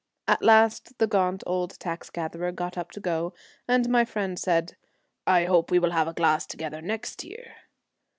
At last the gaunt old tax gatherer got up to go, and my friend said, ' I hope we will have a glass together next year.'